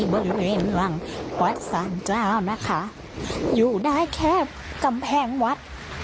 บริเวณหลังวัดสารเจ้านะคะอยู่ได้แค่กำแพงวัด